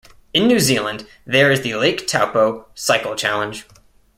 In New Zealand, there is the Lake Taupo Cycle Challenge.